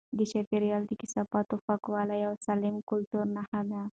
د چاپیریال د کثافاتو پاکول د یو سالم کلتور نښه ده.